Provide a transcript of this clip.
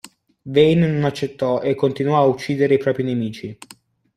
Vane non accettò e continuò a uccidere i propri nemici.